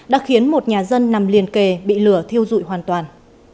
đã khiến một nhà dân nằm liền kề bị lửa thiêu dụi hoàn toàn